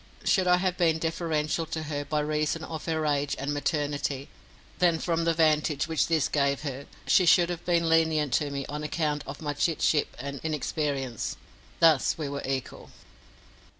Should I have been deferential to her by reason of her age and maternity, then from the vantage which this gave her, she should have been lenient to me on account of my chit ship and inexperience. Thus we were equal.